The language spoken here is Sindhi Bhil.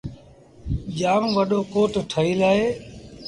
جآم وڏو ڪوٽ ٺهيٚل اهي۔